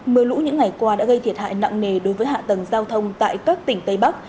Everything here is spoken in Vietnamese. mưa lũ những ngày qua đã gây thiệt hại nặng nề đối với hạ tầng giao thông tại các tỉnh tây bắc